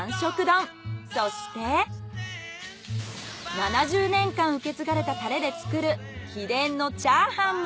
７０年間受け継がれたタレで作る秘伝のチャーハンも。